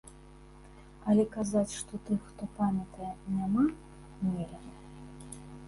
Але казаць, што тых, хто памятае, няма, нельга.